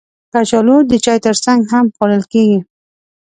کچالو د چای ترڅنګ هم خوړل کېږي